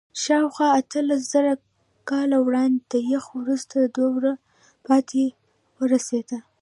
شاوخوا اتلسزره کاله وړاندې د یخ وروستۍ دوره پای ته ورسېده.